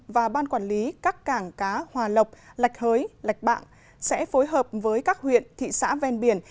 và ban quản lý các cảng cá hòa lộc lạch hới lạch bạng sẽ phối hợp với các huyện thị xã ven biển